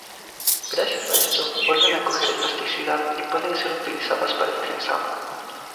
Gracias a esto vuelven a coger elasticidad y pueden ser utilizadas para el trenzado.